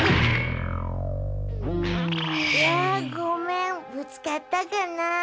いやごめんぶつかったかなあ。